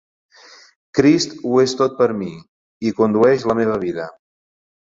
Crist ho és tot per a mi, i condueix la meva vida.